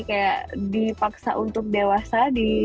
kayak dipaksa untuk dewasa